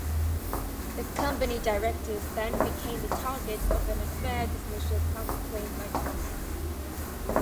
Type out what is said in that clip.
The company directors then became the target of an unfair dismissal counterclaim by Thomas.